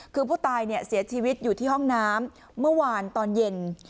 คือผู้ตายเสียชีวิตอยู่ที่ห้องน้ำเมื่อวานตอนเย็น